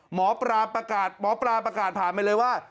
หมอปลาประกาศหมอปลาประกาศผ่านไปเลยว่า